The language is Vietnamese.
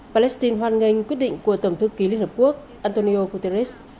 palestine hoan nghênh quyết định của tổng thư ký liên hợp quốc antonio guterres